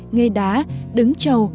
nghe đá đứng trầu